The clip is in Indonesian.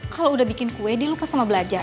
kalau udah bikin kue dia lupa sama belajar